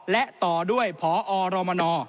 และต่อด้วยพอรมน